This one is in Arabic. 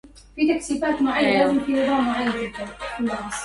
زمن الورد أظرف الأزمان